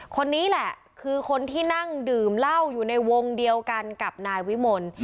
คนนี้แหละคือคนที่นั่งดื่มเหล้าอยู่ในวงเดียวกันกับนายวิมล